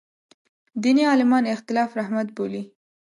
دیني عالمان اختلاف رحمت بولي.